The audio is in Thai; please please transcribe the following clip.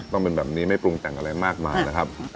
ต้องเป็นแบบนี้ไม่ปรุงแต่งอะไรมากมายนะครับ